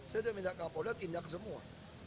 saya sudah minta kapolda tindak semua